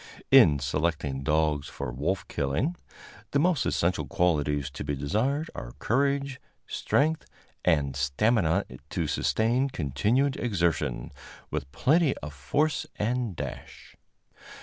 In selecting dogs for wolf killing, the most essential qualities to be desired are courage, strength and stamina to sustain continued exertion, with plenty of force and dash.